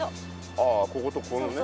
ああこことここのね。